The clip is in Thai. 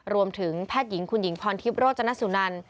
รวมถึงแพทย์หญิงคุณหญิงพรทิบโรจนัสุนัน